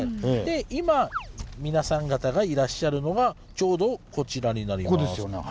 今皆さん方がいらっしゃるのがちょうどこちらになります。